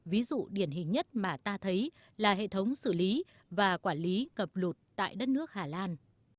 ví dụ điển hình nhất mà ta thấy là hệ thống xử lý và quản lý ngập lụt tại đất nước hà lan